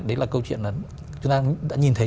đấy là câu chuyện là chúng ta đã nhìn thấy